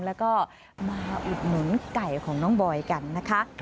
แล้วก็มาอุดหนุนไก่ของน้องบอยกันนะคะ